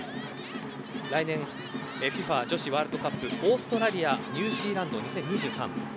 来年ＦＩＦＡ女子ワールドカップ、オーストラリアニュージーランド２０２３